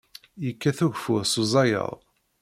Yekkat ugeffur s uzayaḍ.